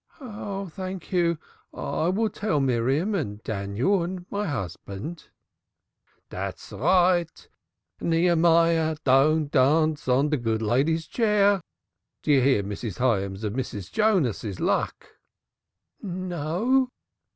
"Thank you. I will tell Miriam and Daniel and my husband." "Dat's right. Nechemyah, don't dance on de good lady's chair. Did you hear, Mrs. Hyams, of Mrs. Jonas's luck?" "No."